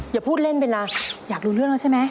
อย่าพูดเล่นเวลาอยากรู้เรื่องแล้วใช่ไหม